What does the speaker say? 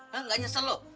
hah gak nyesel lu